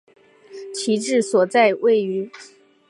其治所位于。